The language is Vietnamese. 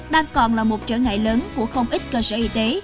đang còn là một trở ngại lớn của không ít cơ sở y tế